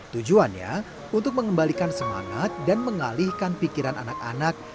tujuannya untuk mengembalikan semangat dan mengalihkan pikiran anak anak